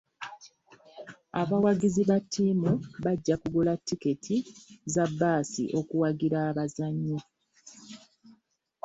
Abawagizi ba ttiimu bajja kugula tikiti za bbaasi okuwagira abazannyi.